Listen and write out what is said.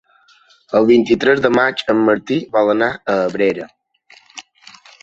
El vint-i-tres de maig en Martí vol anar a Abrera.